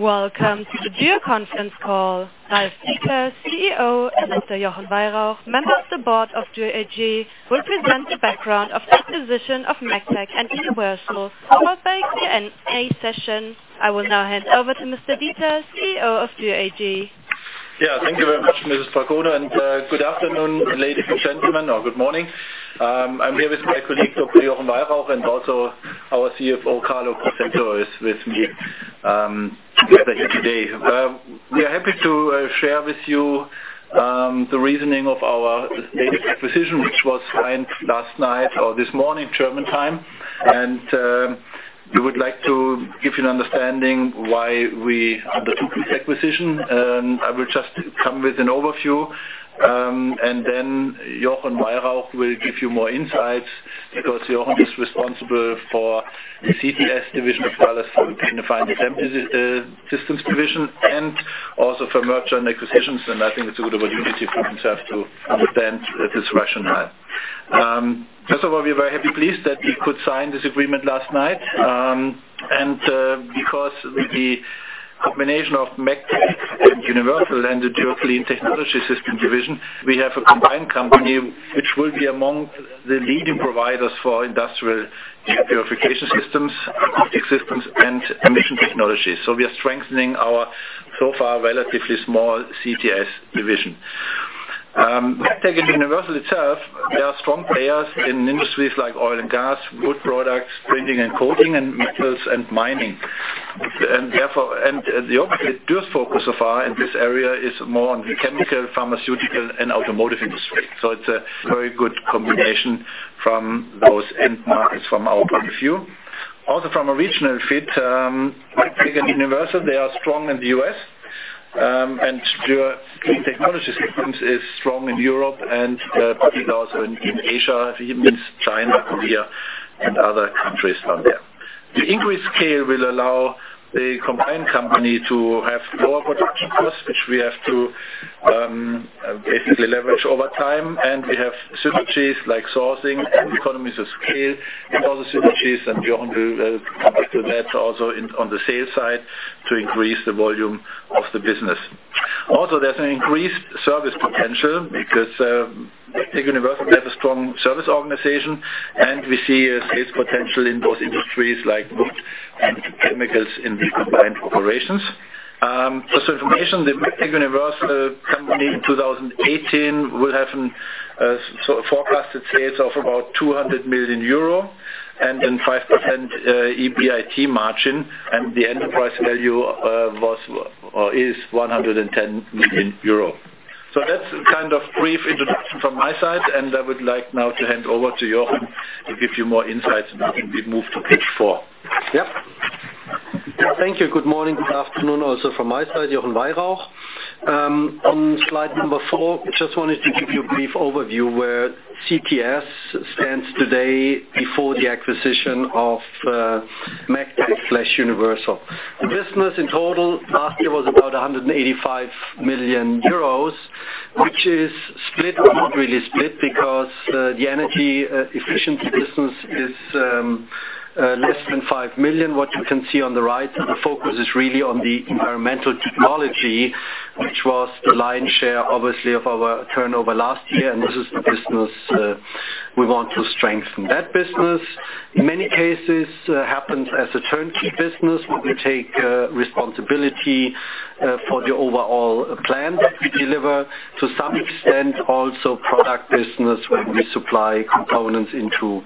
Welcome to the Dürr Conference Call. Ralf Dieter, CEO, and Mr. Jochen Weyrauch, member of the board of Dürr AG, will present the background of the acquisition of MEGTEC and Universal for the Q&A session. I will now hand over to Mr. Dieter, CEO of Dürr AG. Yeah, thank you very much, Mrs. Falcone, and good afternoon, ladies and gentlemen, or good morning. I'm here with my colleague, Dr. Jochen Weyrauch, and also our CFO, Carlo Crosetto, is with me here today. We are happy to share with you the reasoning of our latest acquisition, which was signed last night or this morning German time, and we would like to give you an understanding of why we undertook this acquisition. I will just come with an overview, and then Jochen Weyrauch will give you more insights because Jochen is responsible for the CTS division as well as for the Paint and Final Assembly Systems division and also for merger and acquisitions, and I think it's a good opportunity for himself to understand this rationale. First of all, we are very happy and pleased that we could sign this agreement last night, and, because the combination of MEGTEC and Universal and the Dürr Clean Technology Systems division, we have a combined company which will be among the leading providers for industrial purification systems, acoustic systems, and emission technologies. So we are strengthening our so far relatively small CTS division. MEGTEC and Universal itself, they are strong players in industries like oil and gas, wood products, printing and coating, and metals and mining. And the Dürr's focus so far in this area is more on the chemical, pharmaceutical, and automotive industry. So it's a very good combination from those end markets from our point of view. Also from a regional fit, MEGTEC and Universal, they are strong in the U.S., and Dürr Clean Technology Systems is strong in Europe and also in Asia, which means China, India, and other countries from there. The increased scale will allow the combined company to have more production costs, which we have to basically leverage over time, and we have synergies like sourcing and economies of scale, and also synergies, and Jochen will come to that also on the sales side to increase the volume of the business. Also, there's an increased service potential because MEGTEC and Universal have a strong service organization, and we see a sales potential in those industries like wood and chemicals in the combined operations. Just for information, the MEGTEC and Universal company in 2018 will have forecasted sales of about 200 million euro and then 5% EBIT margin, and the enterprise value is 110 million euro. So that's kind of a brief introduction from my side, and I would like now to hand over to Jochen to give you more insights and we move to page four. Yep. Thank you. Good morning, good afternoon also from my side, Jochen Weyrauch. On slide number four, I just wanted to give you a brief overview where CTS stands today before the acquisition of MEGTEC/Universal. The business in total last year was about 185 million euros, which is split or not really split because the energy efficiency business is less than 5 million, what you can see on the right. The focus is really on the environmental technology, which was the lion's share, obviously, of our turnover last year, and this is the business we want to strengthen. That business, in many cases, happens as a turnkey business where we take responsibility for the overall plan that we deliver. To some extent, also product business where we supply components into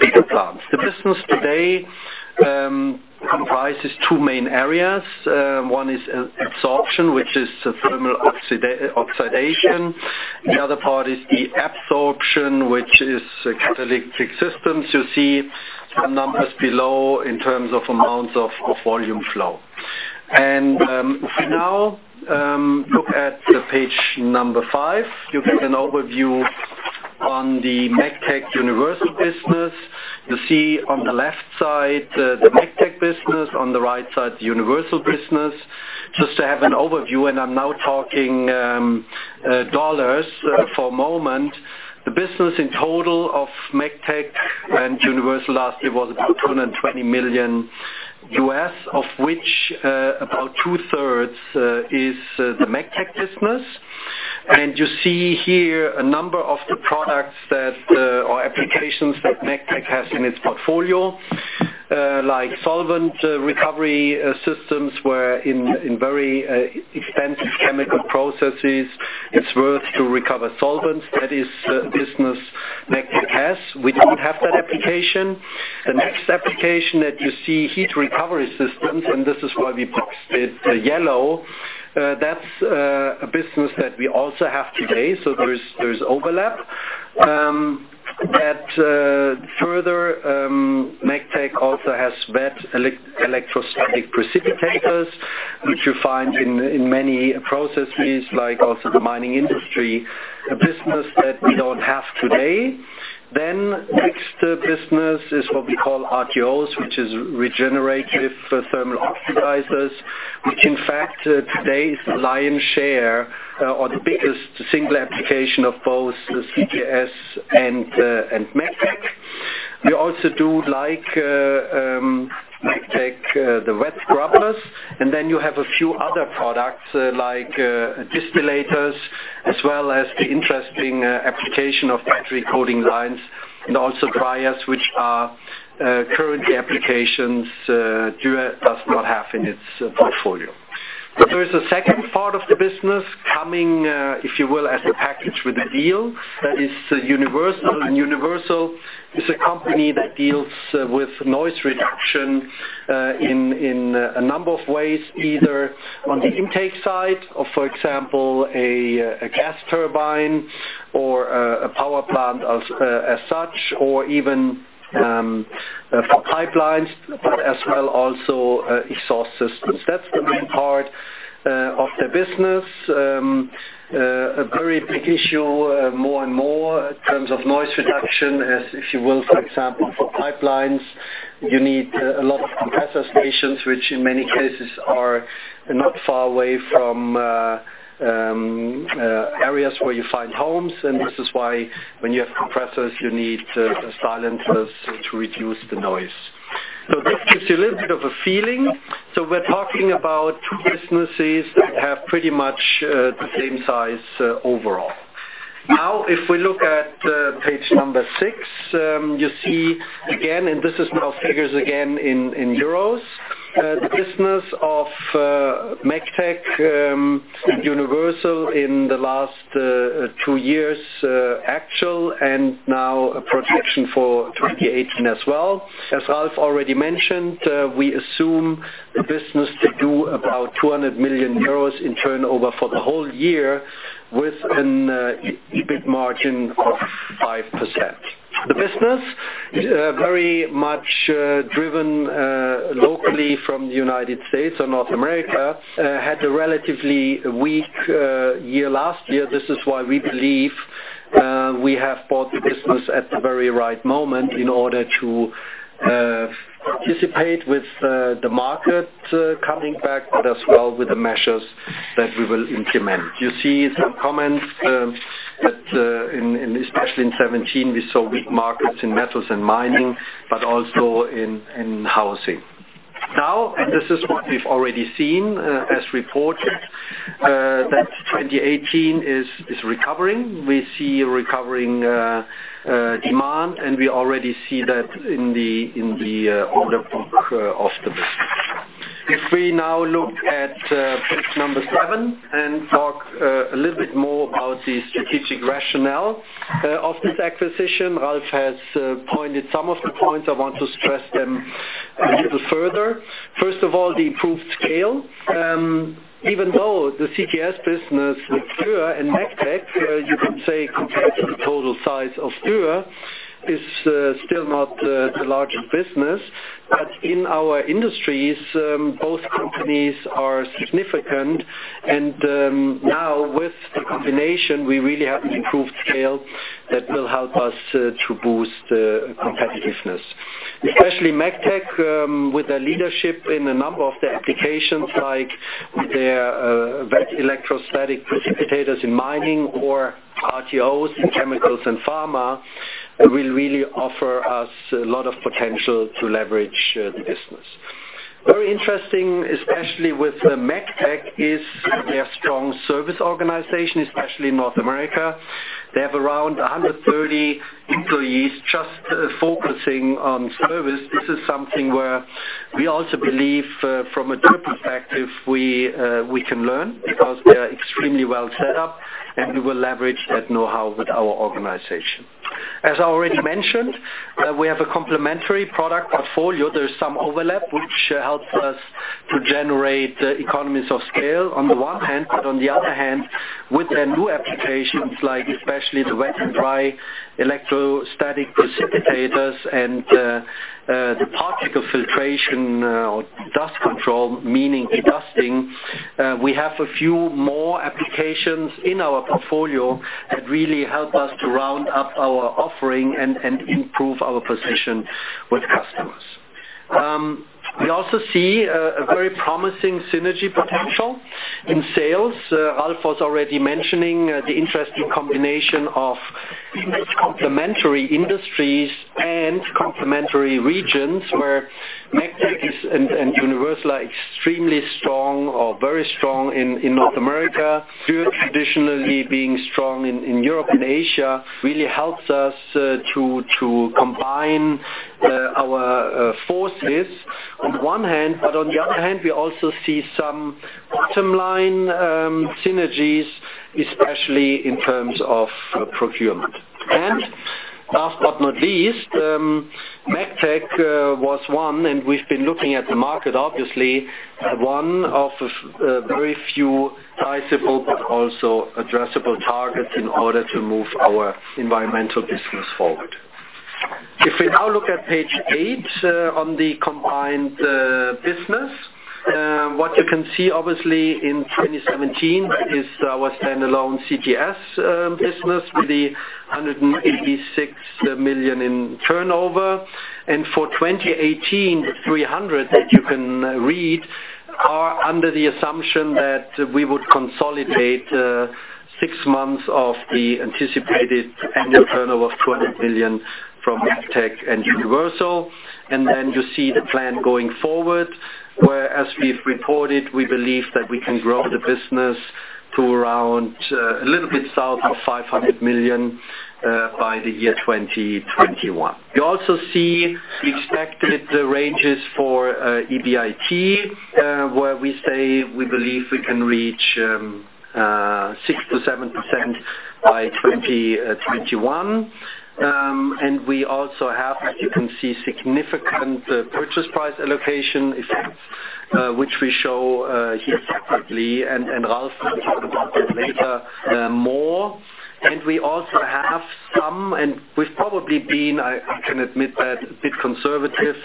bigger plants. The business today comprises two main areas. One is absorption, which is thermal oxidation. The other part is the absorption, which is catalytic systems. You see some numbers below in terms of amounts of volume flow. And if we now look at page number five, you get an overview on the MEGTEC/Universal business. You see on the left side the MEGTEC business, on the right side the Universal business. Just to have an overview, and I'm now talking dollars for a moment, the business in total of MEGTEC and Universal last year was about $220 million, of which about 2/3 is the MEGTEC business. And you see here a number of the products or applications that MEGTEC has in its portfolio, like solvent recovery systems where in very expensive chemical processes it's worth to recover solvents. That is a business MEGTEC has. We don't have that application. The next application that you see, heat recovery systems, and this is why we boxed it yellow, that's a business that we also have today, so there's overlap. That further, MEGTEC also has wet electrostatic precipitators, which you find in many processes, like also the mining industry, a business that we don't have today. Then next business is what we call RTOs, which is regenerative thermal oxidizers, which in fact today is the lion's share or the biggest single application of both CTS and MEGTEC. We also do like MEGTEC the wet scrubbers, and then you have a few other products like distillators as well as the interesting application of battery coating lines and also dryers, which are current applications Dürr does not have in its portfolio. There is a second part of the business coming, if you will, as a package with a deal that is Universal. And Universal is a company that deals with noise reduction in a number of ways, either on the intake side of, for example, a gas turbine or a power plant as such, or even for pipelines, but as well also exhaust systems. That's the main part of the business. A very big issue more and more in terms of noise reduction is, if you will, for example, for pipelines, you need a lot of compressor stations, which in many cases are not far away from areas where you find homes, and this is why when you have compressors, you need silencers to reduce the noise. So this gives you a little bit of a feeling. So we're talking about two businesses that have pretty much the same size overall. Now, if we look at page number six, you see again, and this is now figures again in euros, the business of MEGTEC/Universal in the last two years, actual, and now a projection for 2018 as well. As Ralf already mentioned, we assume the business to do about 200 million euros in turnover for the whole year with a big margin of 5%. The business, very much driven locally from the United States or North America, had a relatively weak year last year. This is why we believe we have bought the business at the very right moment in order to participate with the market coming back, but as well with the measures that we will implement. You see some comments that especially in 2017, we saw weak markets in metals and mining, but also in housing. Now, this is what we've already seen as reported, that 2018 is recovering. We see recovering demand, and we already see that in the order book of the business. If we now look at page number seven and talk a little bit more about the strategic rationale of this acquisition, Ralf has pointed some of the points. I want to stress them a little further. First of all, the improved scale. Even though the CTS business with Dürr and MEGTEC, you can say compared to the total size of Dürr, is still not the largest business, but in our industries, both companies are significant, and now with the combination, we really have an improved scale that will help us to boost competitiveness. Especially MEGTEC with their leadership in a number of the applications, like their wet electrostatic precipitators in mining or RTOs in chemicals and pharma, will really offer us a lot of potential to leverage the business. Very interesting, especially with MEGTEC, is their strong service organization, especially in North America. They have around 130 employees just focusing on service. This is something where we also believe from a Dürr perspective, we can learn because they are extremely well set up, and we will leverage that know-how with our organization. As I already mentioned, we have a complementary product portfolio. There's some overlap, which helps us to generate economies of scale on the one hand, but on the other hand, with their new applications, like especially the wet and dry electrostatic precipitators and the particle filtration or dust control, meaning dusting, we have a few more applications in our portfolio that really help us to round up our offering and improve our position with customers. We also see a very promising synergy potential in sales. Ralf was already mentioning the interesting combination of complementary industries and complementary regions where MEGTEC and Universal are extremely strong or very strong in North America, Dürr traditionally being strong in Europe and Asia. Really helps us to combine our forces on one hand, but on the other hand, we also see some bottom line synergies, especially in terms of procurement. Last but not least, MEGTEC was one, and we've been looking at the market, obviously, one of very few sizable but also addressable targets in order to move our environmental business forward. If we now look at page eight on the combined business, what you can see obviously in 2017 is our standalone CTS business with the 186 million in turnover, and for 2018, 300 million that you can read are under the assumption that we would consolidate six months of the anticipated annual turnover of 200 million from MEGTEC and Universal. Then you see the plan going forward, whereas we've reported we believe that we can grow the business to around a little bit south of 500 million by the year 2021. You also see the expected ranges for EBIT, where we say we believe we can reach 6%-7% by 2021. And we also have, as you can see, significant purchase price allocation, which we show here separately, and Ralf will talk about that later more. And we also have some, and we've probably been, I can admit that, a bit conservative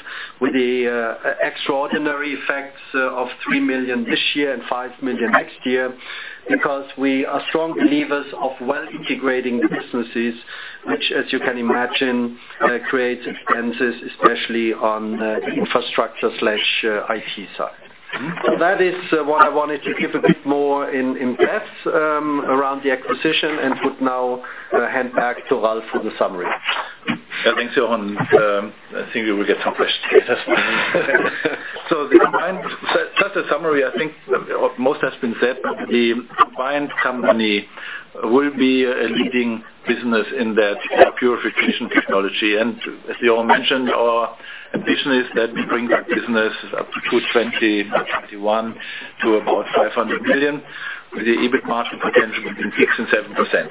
with the extraordinary effects of 3 million this year and 5 million next year because we are strong believers of well-integrating businesses, which, as you can imagine, creates expenses, especially on the infrastructure/IT side. So that is what I wanted to give a bit more in depth around the acquisition and would now hand back to Ralf for the summary. Yeah, thanks, Jochen. I think we will get some questions later. So the combined company, as a summary, I think most has been said, but the combined company will be a leading business in that purification technology. As Jochen mentioned, our ambition is that we bring that business up to 2021 to about 500 million with the EBIT margin potential between 6% and 7%.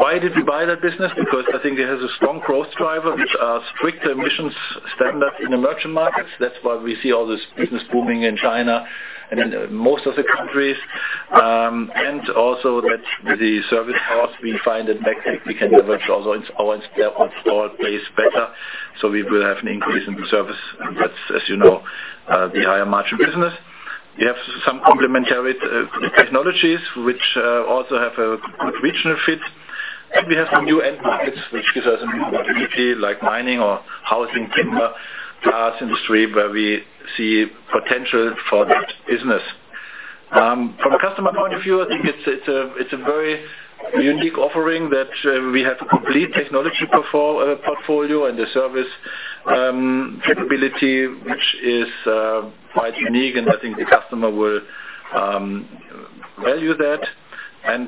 Why did we buy that business? Because I think it has a strong growth driver with the strict emissions standards in emerging markets. That's why we see all this business booming in China and in most of the countries. And also the service business we find at MEGTEC, we can leverage also in our installed base better, so we will have an increase in the service. That's, as you know, the higher margin business. We have some complementary technologies which also have a good regional fit. We have some new end markets which give us a new opportunity like mining or housing, timber, glass industry where we see potential for that business. From a customer point of view, I think it's a very unique offering that we have a complete technology portfolio and the service capability, which is quite unique, and I think the customer will value that. As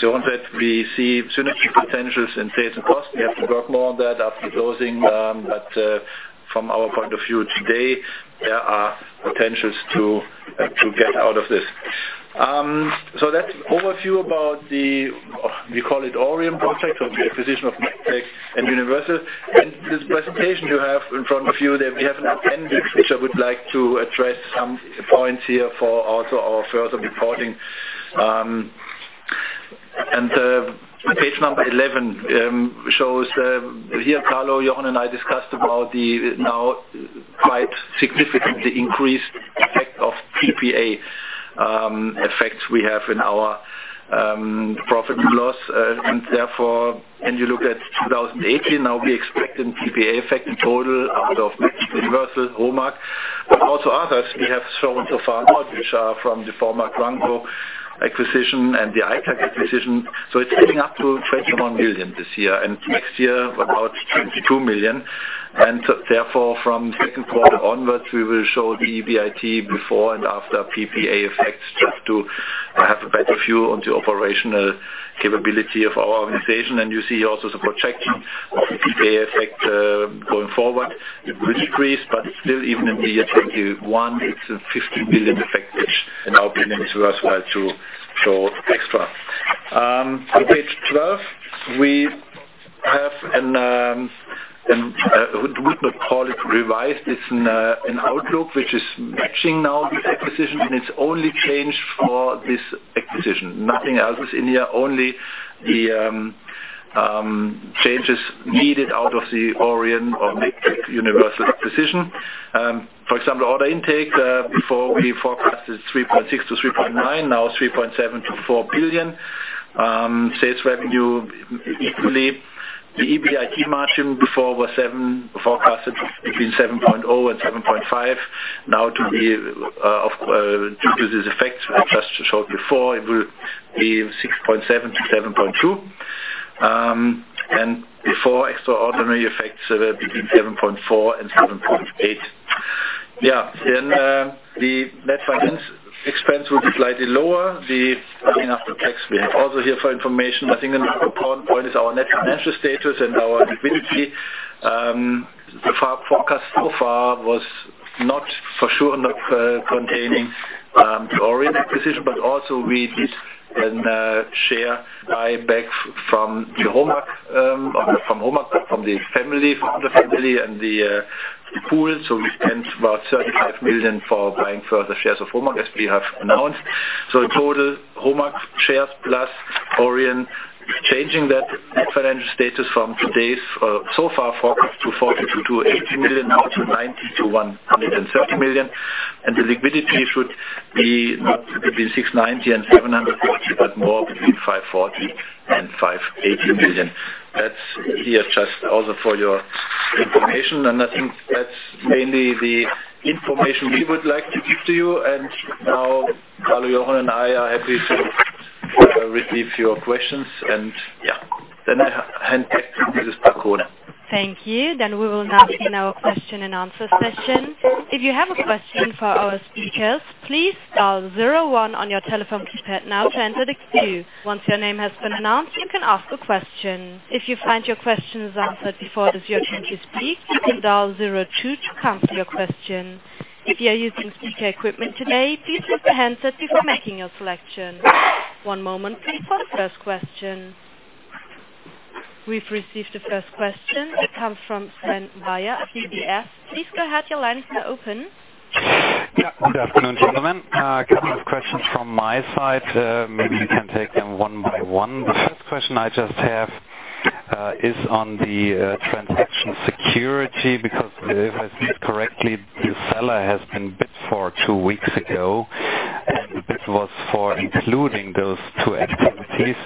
Jochen said, we see synergy potentials in sales and cost. We have to work more on that after closing, but from our point of view today, there are potentials to get out of this. That's an overview about the, we call it Orion project of the acquisition of MEGTEC and Universal. The presentation you have in front of you, we have an appendix which I would like to address some points here for also our further reporting. Page number 11 shows here Carlo, Jochen, and I discussed about the now quite significantly increased effect of PPA effects we have in our profit and loss. Therefore, if you look at 2018, now we expect a PPA effect in total out of MEGTEC, Universal, HOMAG, but also others we have shown so far, which are from the former Agramkow acquisition and the iTAC acquisition. So it's heading up to 21 million this year and next year about 22 million. Therefore, from second quarter onwards, we will show the EBIT before and after PPA effects just to have a better view on the operational capability of our organization. You see also the projection of the PPA effect going forward, which increased, but still even in the year 2021, it's a 15 million effect which in our opinion is worthwhile to show extra. On page 12, we have an outlook. We would not call it revised. It's an outlook which is matching now this acquisition, and it's only changed for this acquisition. Nothing else is in here, only the changes needed out of the organic or MEGTEC/Universal acquisition. For example, order intake before we forecasted 3.6 billion-3.9 billion, now 3.7 billion-4 billion. Sales revenue equally. The EBIT margin before was forecasted between 7.0% and 7.5%, now to be due to these effects we just showed before, it will be 6.7%-7.2%. Before extraordinary effects between 7.4% and 7.8%. Yeah. Then the net finance expense will be slightly lower. The coming after tax will also here for information. I think another important point is our net financial status and our liquidity. The forecast so far was not for sure not containing the organic acquisition, but also we did a share buyback from the HOMAG, from the family, from the family and the pool. So we spent about 35 million for buying further shares of HOMAG as we have announced. So in total, HOMAG shares plus organic changing that financial status from today's so far forecast to 40 million-280 million, now to 90 million-130 million. And the liquidity should be not between 690 million and 750 million, but more between 540 million and 580 million. That's here just also for your information. And I think that's mainly the information we would like to give to you. And now Carlo, Jochen, and I are happy to receive your questions. And yeah, then I hand back to Mrs. Falcone. Thank you. Then we will now begin our question and answer session. If you have a question for our speakers, please dial zero one on your telephone keypad now to enter the queue. Once your name has been announced, you can ask a question. If you find your question is answered before it is your turn to speak, you can dial zero two to come to your question. If you are using speaker equipment today, please use the handset before making your selection. One moment, please, for the first question. We've received the first question. It comes from Sven Weier, UBS. Please go ahead. Your lines are open. Yeah. Good afternoon, gentlemen. A couple of questions from my side. Maybe we can take them one by one. The first question I just have is on the transaction security because if I see it correctly, the seller has been bid for two weeks ago, and the bid was for including those two activities.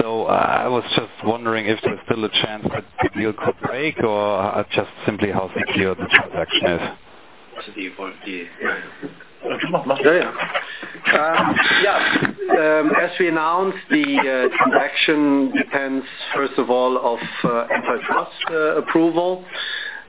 So I was just wondering if there's still a chance that the deal could break or just simply how secure the transaction is. That's a good point. Yeah. Yeah. As we announced, the transaction depends, first of all, on antitrust approval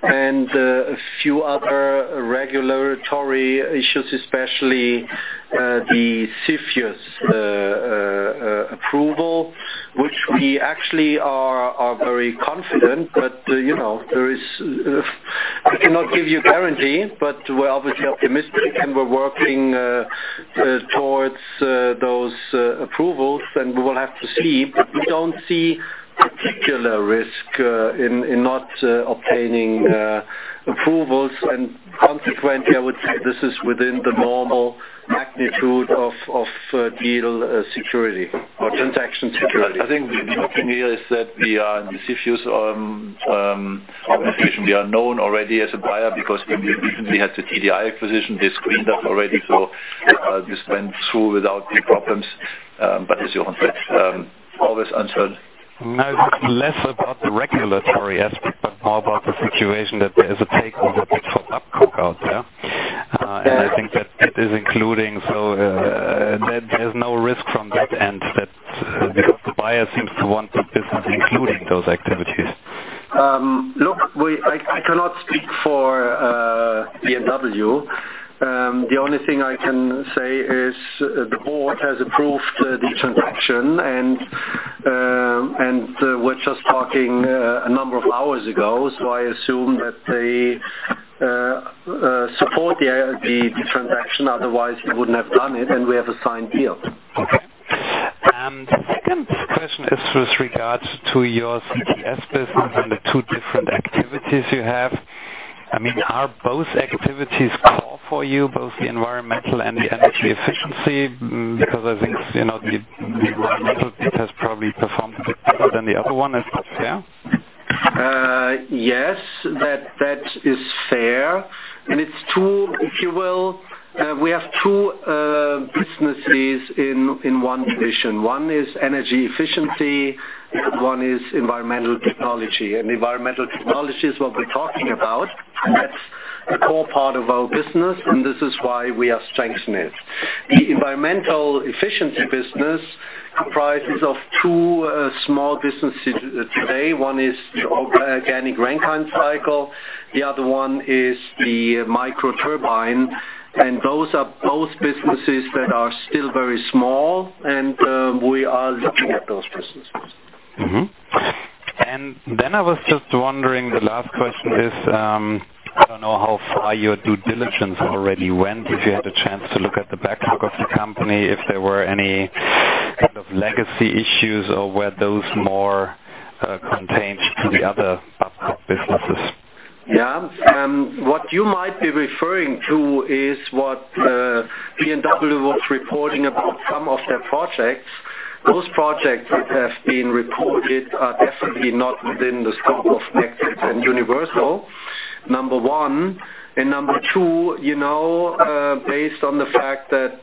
and a few other regulatory issues, especially the CFIUS approval, which we actually are very confident, but there is, I cannot give you a guarantee, but we're obviously optimistic and we're working towards those approvals, and we will have to see. We don't see particular risk in not obtaining approvals, and consequently, I would say this is within the normal magnitude of deal security or transaction security. I think the good thing here is that we are in the CFIUS organization. We are known already as a buyer because we recently had the TDI acquisition. They screened us already, so this went through without any problems, but as Jochen said, always uncertain. Less about the regulatory aspect, but more about the situation that there is a takeover bid out there. I think that it is including, so there's no risk from that end that the buyer seems to want the business including those activities. Look, I cannot speak for B&W. The only thing I can say is the board has approved the transaction, and we're just talking a number of hours ago, so I assume that they support the transaction. Otherwise, we wouldn't have done it, and we have a signed deal. Okay. The second question is with regards to your CTS business and the two different activities you have. I mean, are both activities core for you, both the environmental and the energy efficiency? Because I think the environmental bit has probably performed a bit better than the other one. Is that fair? Yes, that is fair. It's two, if you will, we have two businesses in one division. One is energy efficiency, one is environmental technology. And environmental technology is what we're talking about. That's a core part of our business, and this is why we are strengthening it. The energy efficiency business comprises of two small businesses today. One is Organic Rankine Cycle. The other one is the microturbine. And those are both businesses that are still very small, and we are looking at those businesses. And then I was just wondering, the last question is, I don't know how far your due diligence already went, if you had a chance to look at the backlog of the company, if there were any kind of legacy issues or were those more contained to the other acquired businesses. Yeah. What you might be referring to is what B&W was reporting about some of their projects. Those projects that have been reported are definitely not within the scope of MEGTEC and Universal, number one. And number two, based on the fact that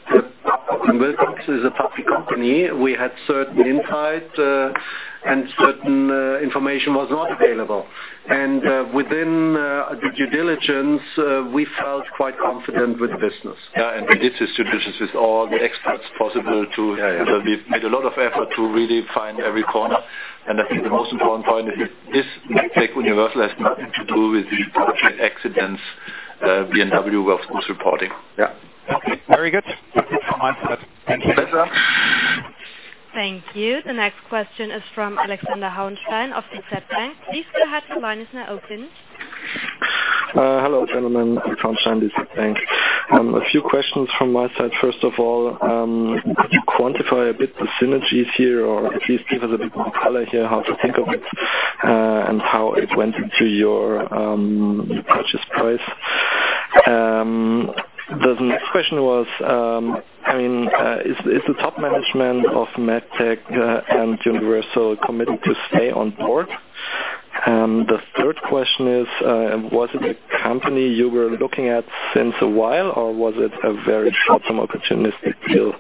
Wilcox is a public company, we had certain insights and certain information was not available. And within the due diligence, we felt quite confident with the business. Yeah. And we did this due diligence with all the experts possible too. So we've made a lot of effort to really find every corner. And I think the most important point is that this MEGTEC/Universal has nothing to do with the accidents B&W was reporting. Yeah. Okay. Very good. Thank you. Thank you. The next question is from Alexander Hauenstein of the DZ Bank. Please go ahead. The line is now open. Hello, gentlemen. Alexander, DZ Bank. A few questions from my side. First of all, could you quantify a bit the synergies here or at least give us a bit of color here how to think of it and how it went into your purchase price? The next question was, I mean, is the top management of MEGTEC and Universal committed to stay on board? And the third question is, was it a company you were looking at since a while or was it a very short-term opportunistic deal?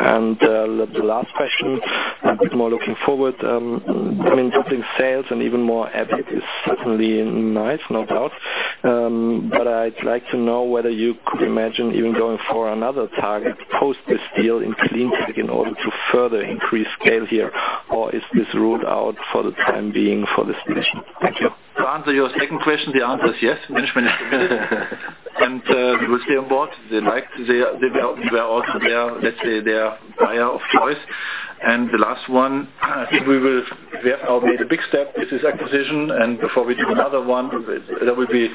And the last question, a bit more looking forward, I mean, doubling sales and even more EBIT is certainly nice, no doubt. But I'd like to know whether you could imagine even going for another target post this deal in clean tech in order to further increase scale here, or is this ruled out for the time being for this decision? Thank you. To answer your second question, the answer is yes. Management is committed and we'll stay on board. They liked it. They were also there, let's say, their buyer of choice. The last one, I think we will, we have now made a big step, is this acquisition. Before we do another one, there will be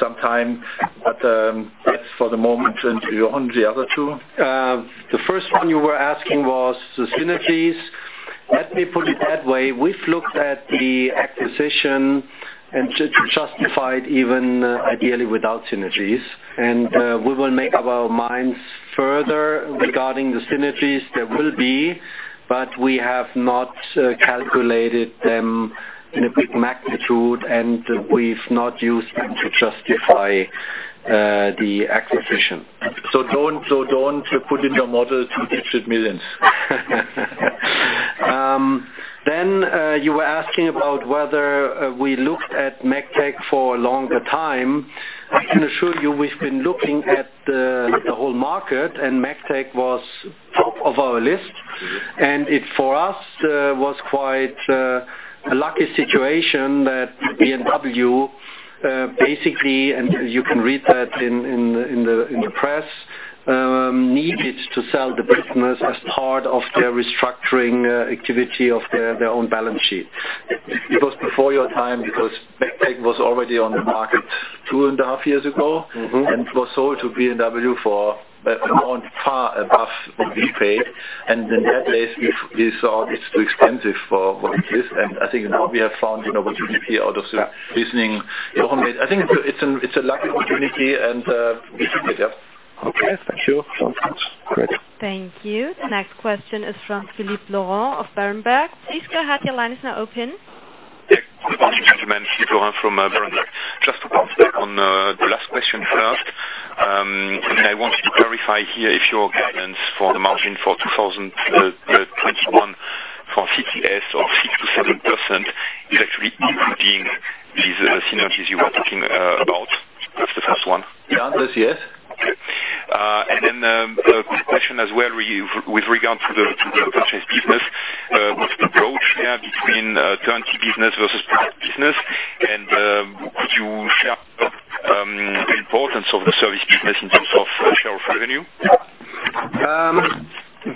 some time. But yes, for the moment, Jochen, the other two. The first one you were asking was the synergies. Let me put it that way. We've looked at the acquisition and justified even ideally without synergies. We will make our minds further regarding the synergies. There will be, but we have not calculated them in a big magnitude, and we've not used them to justify the acquisition. Don't put in your model to 600 million. You were asking about whether we looked at MEGTEC for a longer time. I can assure you we've been looking at the whole market, and MEGTEC was top of our list. And for us, it was quite a lucky situation that B&W basically, and you can read that in the press, needed to sell the business as part of their restructuring activity of their own balance sheet. It was before your time because MEGTEC was already on the market two and a half years ago, and it was sold to B&W for far above what we paid. And in that case, we thought it's too expensive for what it is. And I think now we have found what we can see out of the reasoning. I think it's a lucky opportunity, and we took it. Yeah. Okay. Thank you. Sounds good. Great. Thank you. The next question is from Philippe Lorrain of Berenberg. Please go ahead. Your line is now open. Yes. Good afternoon, gentlemen. Philippe Lorrain from Berenberg. Just to bounce back on the last question first, I wanted to clarify here if your guidance for the margin for 2021 for CTS of 6%-7% is actually including these synergies you were talking about. That's the first one. Yeah. That's yes. And then a quick question as well with regard to the franchise business. What's the approach here between turnkey business versus product business? And could you share the importance of the service business in terms of share of revenue?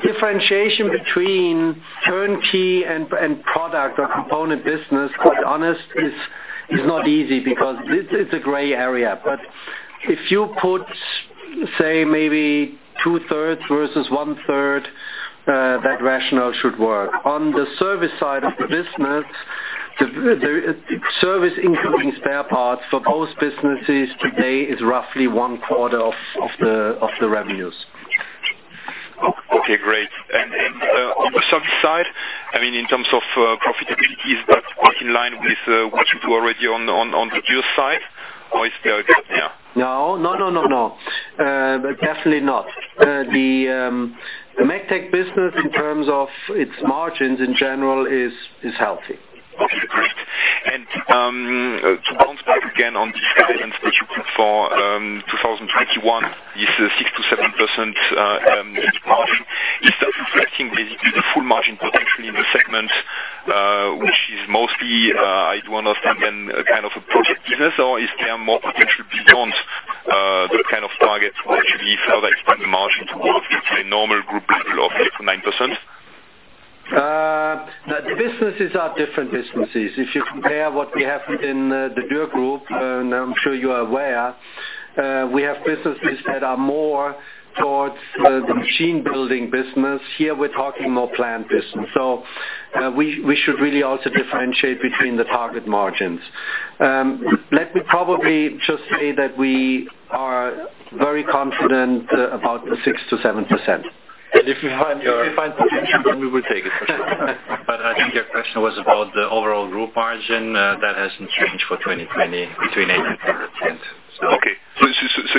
Differentiation between turnkey and product or component business, to be honest, is not easy because it's a gray area. But if you put, say, maybe 2/3 versus 1/3, that rationale should work. On the service side of the business, service including spare parts for both businesses today is roughly one-quarter of the revenues. Okay. Great. And on the service side, I mean, in terms of profitability, is that in line with what you do already on the deal side? Or is there a gap there? No. No, no, no, no. Definitely not. The MEGTEC business, in terms of its margins in general, is healthy. Okay. Great. And to bounce back again on these guidance that you put for 2021, this 6%-7% margin, is that reflecting basically the full margin potentially in the segment, which is mostly, I do understand, then kind of a project business? Or is there more potential beyond the kind of target to actually further extend the margin towards the normal group level of 6%-9%? The businesses are different businesses. If you compare what we have within the Dürr Group, and I'm sure you are aware, we have businesses that are more towards the machine-building business. Here, we're talking more planned business. So we should really also differentiate between the target margins. Let me probably just say that we are very confident about the 6%-7%. And if we find potential, then we will take it for sure. But I think your question was about the overall group margin. That hasn't changed for 2020, between 8% and 10%. Okay. So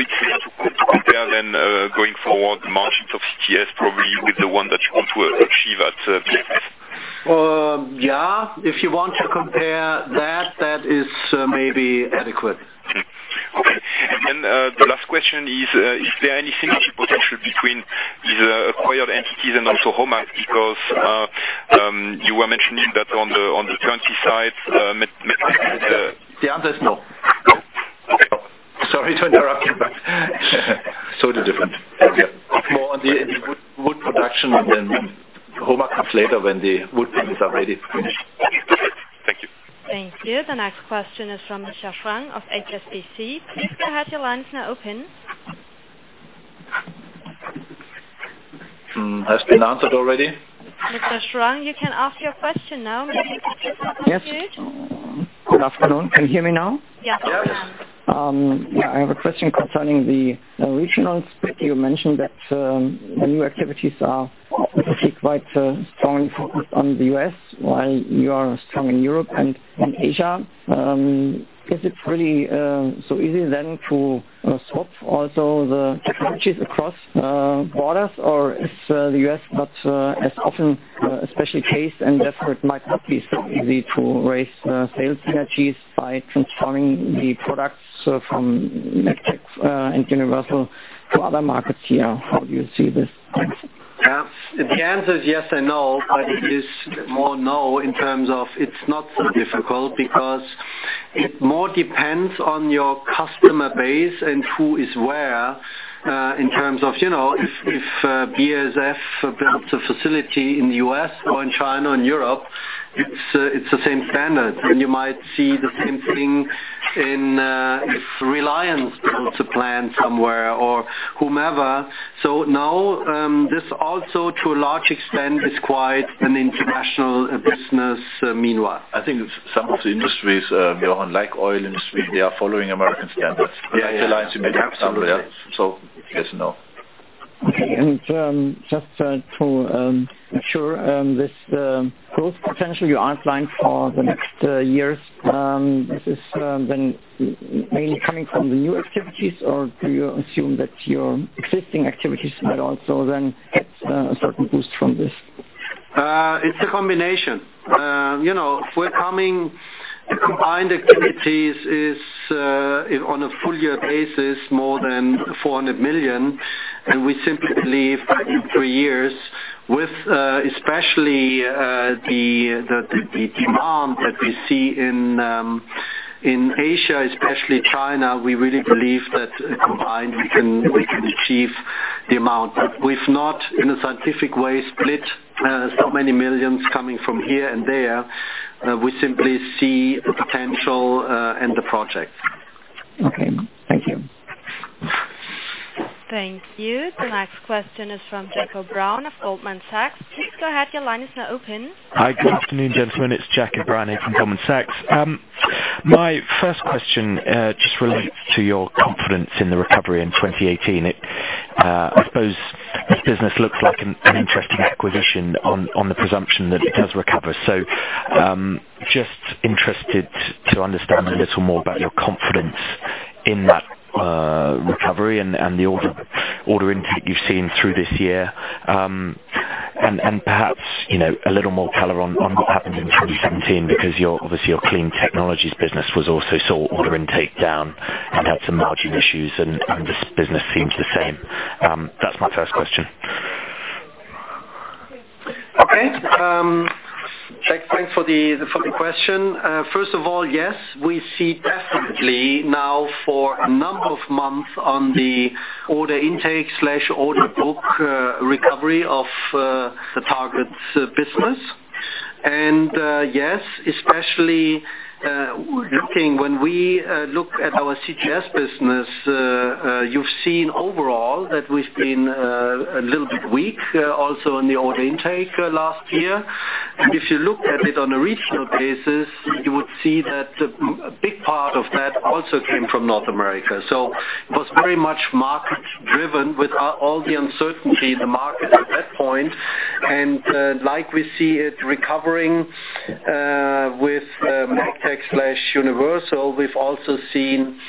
to compare then going forward, the margins of CTS probably with the one that you want to achieve at B&W. Yeah. If you want to compare that, that is maybe adequate. Okay. And then the last question is, is there any synergy potential between these acquired entities and also HOMAG? Because you were mentioning that on the turnkey side, MEGTEC is the. The answer is no. Sorry to interrupt you, but. Totally different. More on the wood production than HOMAG is later when the wood pieces are ready. Thank you. Thank you. The next question is from Mr. [Schaller] of HSBC. Please go ahead. Your line is now open. Has been answered already? Mr. [Schaller], you can ask your question now, maybe. Yes. Good afternoon. Can you hear me now? Yes. Yeah. I have a question concerning the regional split. You mentioned that the new activities are quite strongly focused on the U.S., while you are strong in Europe and in Asia. Is it really so easy then to swap also the technologies across borders, or is the U.S. not as often especially cased, and therefore it might not be so easy to raise sales synergies by transforming the products from MEGTEC and Universal to other markets here? How do you see this? Yeah. The answer is yes and no, but it is more no in terms of it's not so difficult because it more depends on your customer base and who is where in terms of if BASF builds a facility in the U.S. or in China or in Europe, it's the same standard, and you might see the same thing if Reliance builds a plant somewhere or whomever. So now this also to a large extent is quite an international business meanwhile. I think some of the industries, Jochen, like oil industry, they are following American standards. That's the line you made for example. Yeah. So yes and no. Okay, and just to make sure, this growth potential you are applying for the next years, is this then mainly coming from the new activities, or do you assume that your existing activities might also then get a certain boost from this? It's a combination. For coming combined activities is on a full-year basis more than 400 million. And we simply believe in three years, with especially the demand that we see in Asia, especially China, we really believe that combined we can achieve the amount. We've not, in a scientific way, split so many millions coming from here and there. We simply see the potential and the project. Okay. Thank you. Thank you. The next question is from Jack O'Brien of Goldman Sachs. Please go ahead. Your line is now open. Hi. Good afternoon, gentlemen. It's Jack O'Brien here from Goldman Sachs. My first question just relates to your confidence in the recovery in 2018. I suppose this business looks like an interesting acquisition on the presumption that it does recover. So just interested to understand a little more about your confidence in that recovery and the order intake you've seen through this year. And perhaps a little more color on what happened in 2017 because obviously your Clean Technology Systems business also saw order intake down and had some margin issues, and this business seems the same. That's my first question. Okay. Thanks for the question. First of all, yes, we see definitely now for a number of months on the order intake/order book recovery of the target business. And yes, especially looking when we look at our CTS business, you've seen overall that we've been a little bit weak also in the order intake last year. And if you look at it on a regional basis, you would see that a big part of that also came from North America. So it was very much market-driven with all the uncertainty in the market at that point. And like we see it recovering with MEGTEC/Universal, we've also seen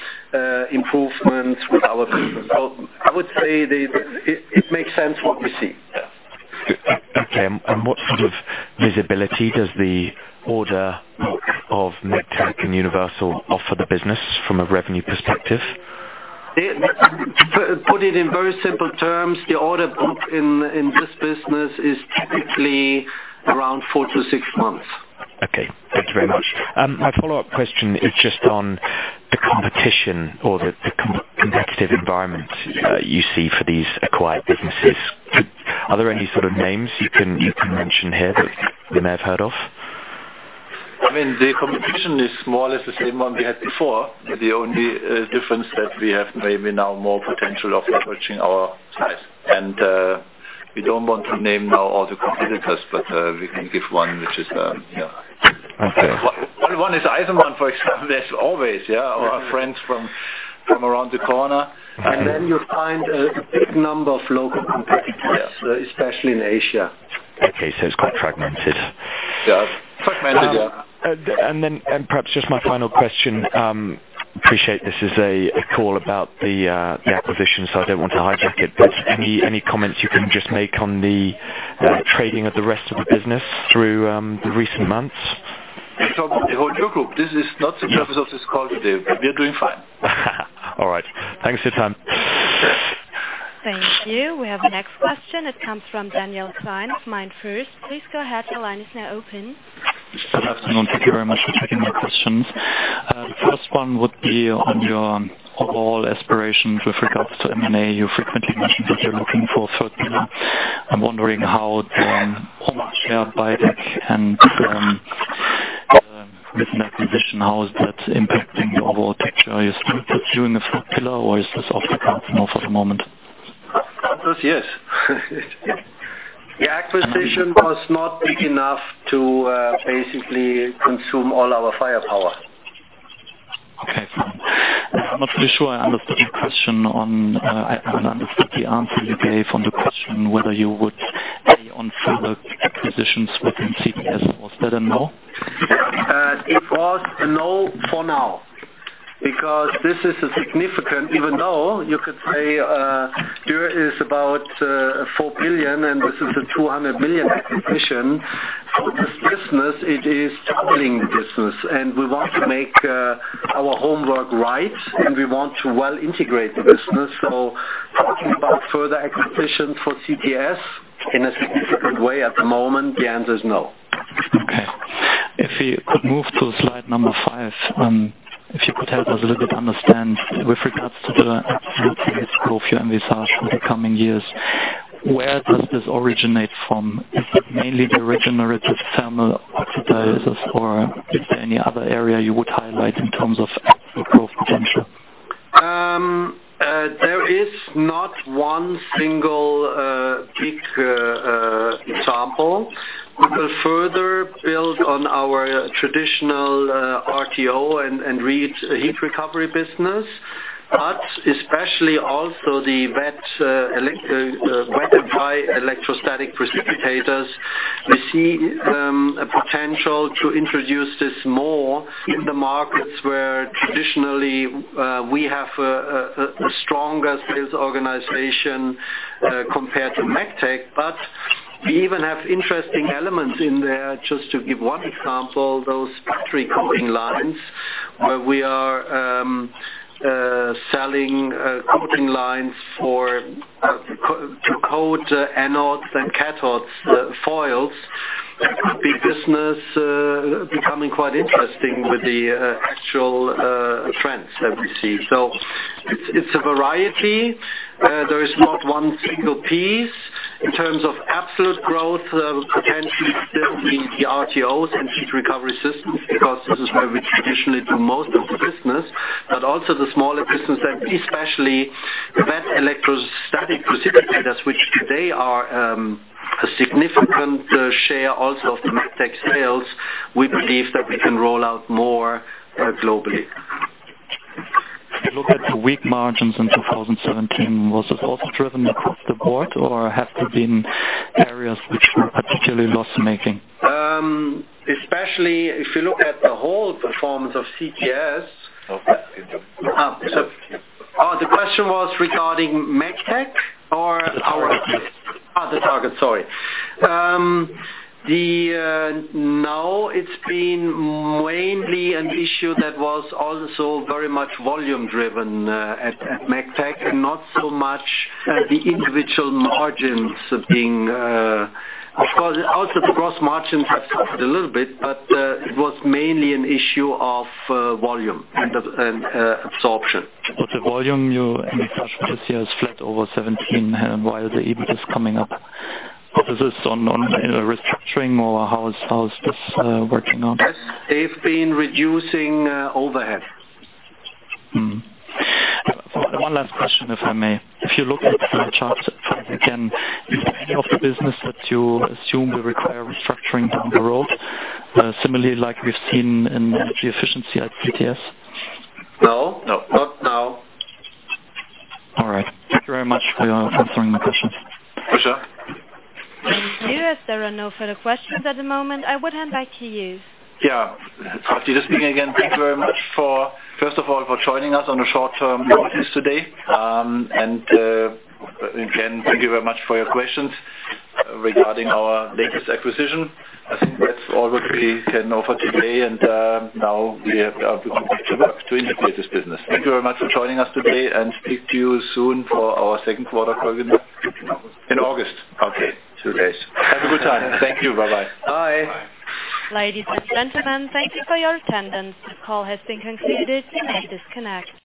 improvements with our business. So I would say it makes sense what we see. Yeah. Okay. And what sort of visibility does the order book of MEGTEC and Universal offer the business from a revenue perspective? Put it in very simple terms, the order book in this business is typically around four to six months. Okay. Thank you very much. My follow-up question is just on the competition or the competitive environment you see for these acquired businesses. Are there any sort of names you can mention here that you may have heard of? I mean, the competition is more or less the same one we had before. The only difference that we have maybe now more potential of leveraging our size. And we don't want to name now all the competitors, but we can give one which is, yeah, one is Eisenmann, for example. There's always, yeah, our friends from around the corner. And then you find a big number of local competitors, especially in Asia. Okay. So it's quite fragmented. Yeah. Fragmented, yeah. And then perhaps just my final question. Appreciate this is a call about the acquisition, so I don't want to hijack it. But any comments you can just make on the trading of the rest of the business through the recent months? It's all Dürr Group. This is not the purpose of this call today. We are doing fine. All right. Thanks for your time. Thank you. We have the next question. It comes from Daniel Schwarz, MainFirst. Please go ahead. Your line is now open. Good afternoon. Thank you very much for taking my questions. The first one would be on your overall aspirations with regards to M&A. You frequently mentioned that you're looking for a third pillar. I'm wondering how the HOMAG share buyback and recent acquisition, how is that impacting your overall picture? Are you still pursuing a third pillar, or is this off the boards now for the moment? That was yes. The acquisition was not big enough to basically consume all our firepower. Okay. I'm not really sure I understood the answer you gave on the question whether you would be on further acquisitions within CTS. Was that a no? It was a no for now because this is a significant even though you could say Dürr is about 4 billion, and this is a 200 million acquisition. So this business, it is a struggling business. And we want to make our homework right, and we want to well integrate the business. So talking about further acquisitions for CTS in a significant way at the moment, the answer is no. Okay. If we could move to slide number five, if you could help us a little bit understand with regards to the absolute growth of your MV size for the coming years, where does this originate from? Is it mainly the regenerative thermal oxidizers, or is there any other area you would highlight in terms of growth potential? There is not one single big example. We will further build on our traditional RTO and waste heat recovery business, but especially also the wet and dry electrostatic precipitators. We see a potential to introduce this more in the markets where traditionally we have a stronger sales organization compared to MEGTEC. But we even have interesting elements in there. Just to give one example, those battery coating lines where we are selling coating lines to coat anode and cathode foils. It's a big business becoming quite interesting with the actual trends that we see. So it's a variety. There is not one single piece. In terms of absolute growth, potentially still in the RTOs and heat recovery systems because this is where we traditionally do most of the business. But also the smaller business, especially wet electrostatic precipitators, which today are a significant share also of the MEGTEC sales, we believe that we can roll out more globally. If you look at the weak margins in 2017, was it also driven across the board, or have there been areas which were particularly loss-making? Especially if you look at the whole performance of CTS. Oh, the question was regarding MEGTEC or our? Oh, the target. Sorry. Now it's been mainly an issue that was also very much volume-driven at MEGTEC, not so much the individual margins being of course, also the gross margins have suffered a little bit, but it was mainly an issue of volume and absorption. Was the volume you move size this year flat over 2017 while the EBIT is coming up? Is this on restructuring, or how is this working out? They've been reducing overhead. One last question, if I may. If you look at the charts again, is there any of the business that you assume will require restructuring down the road, similarly like we've seen in energy efficiency at CTS? No. No. Not now. All right. Thank you very much for answering my questions. For sure. Thank you. If there are no further questions at the moment, I would hand back to you. Yeah. It's Dieter speaking again. Thank you very much, first of all, for joining us on short notice today. And again, thank you very much for your questions regarding our latest acquisition. I think that's all that we can offer today. And now we are looking to work to integrate this business. Thank you very much for joining us today, and speak to you soon for our second quarter call in August. Okay. Two days. Have a good time. Thank you. Bye-bye. Bye. Ladies and gentlemen, thank you for your attendance. This call has been concluded. You may disconnect.